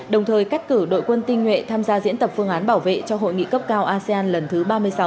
đồng thời cắt cử đội quân tinh nhuệ tham gia diễn tập phương án bảo vệ cho hội nghị cấp cao asean lần thứ ba mươi sáu